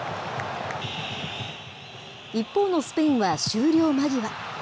一方のスペインは終了間際。